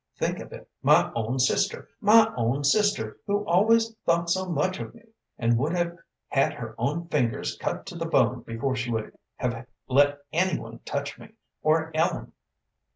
"Think of it, my own sister! My own sister, who always thought so much of me, and would have had her own fingers cut to the bone before she would have let any one touch me or Ellen!